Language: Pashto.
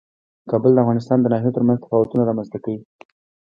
کابل د افغانستان د ناحیو ترمنځ تفاوتونه رامنځ ته کوي.